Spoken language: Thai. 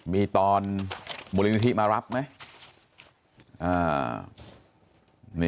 มีตอนมูลนิธิมารับไหม